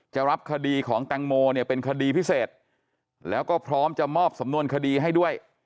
จะรับคดีของแตงโมเนี่ยเป็นคดีพิเศษแล้วก็พร้อมจะมอบสำนวนคดีให้ด้วย